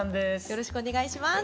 よろしくお願いします。